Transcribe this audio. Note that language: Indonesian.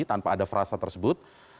tanpa ada frasa tersebut